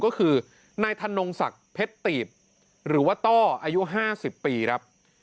ก็คือนายธนงศักดิ์เพชรตีบหรือว่าต้ออายุ๕๐ปีครับ